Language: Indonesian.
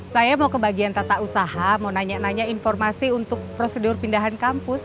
saya mau ke bagian tata usaha mau nanya nanya informasi untuk prosedur pindahan kampus